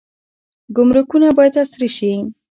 ګمرکونه باید عصري شي.